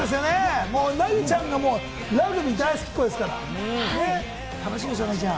凪ちゃんがもうラグビー大好きっ子ですから、楽しみですよね、凪ちゃん。